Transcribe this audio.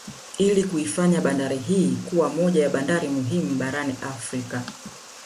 Ili kuifanya bandari hii kuwa moja ya bandari muhimu barani Afrika